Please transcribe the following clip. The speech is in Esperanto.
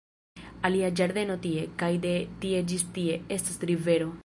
Alia ĝardeno tie, kaj de tie ĝis tie, estas rivero